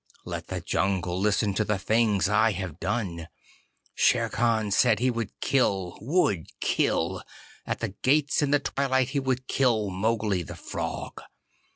Let the jungle listen to the things I have done. Shere Khan said he would kill would kill! At the gates in the twilight he would kill Mowgli, the Frog!